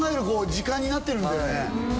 こう時間になってるんだよね